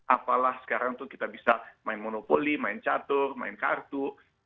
apalah sekarang tuh kita bisa main monopoli main catur main kartu